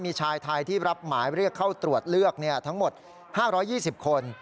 มีชายไทยที่รับหมายเรียกเข้าตรวจเลือกทั้งหมด๕๒๐คน